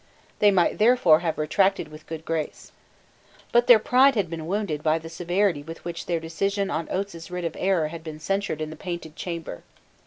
They might therefore have retracted with a good grace. But their pride had been wounded by the severity with which their decision on Oates's writ of error had been censured in the Painted Chamber.